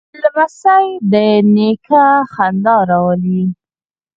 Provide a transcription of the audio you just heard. لمسی د نیکه خندا راولي.